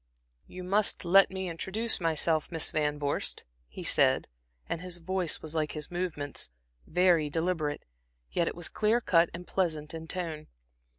"You must let me introduce myself, Miss Van Vorst," he said, and his voice was like his movements, very deliberate, yet it was clear cut and pleasant in tone.